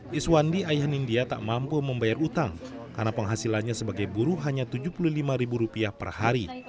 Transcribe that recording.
iswandi ayah nindya tak mampu membayar utang karena penghasilannya sebagai buruh hanya tujuh puluh lima ribu rupiah per hari